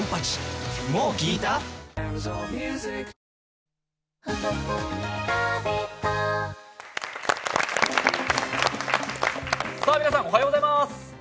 続く皆さんおはようございます。